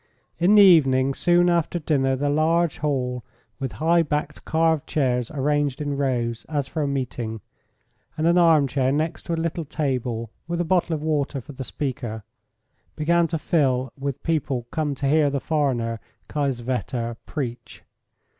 In the evening, soon after dinner, the large hall, with high backed carved chairs arranged in rows as for a meeting, and an armchair next to a little table, with a bottle of water for the speaker, began to fill with people come to hear the foreigner, Kiesewetter, preach.